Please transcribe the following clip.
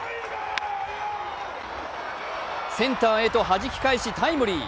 センターへとはじき返しタイムリー！